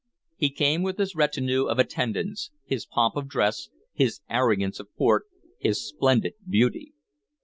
He came with his retinue of attendants, his pomp of dress, his arrogance of port, his splendid beauty.